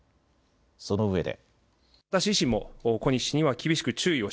そのうえで。